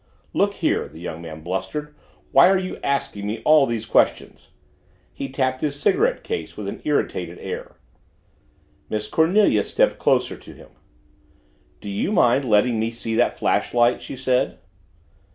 "Look here," the young man blustered, "why are you asking me all these questions?" He tapped his cigarette case with an irritated air. Miss Cornelia stepped closer to him. "Do you mind letting me see that flashlight?" she said.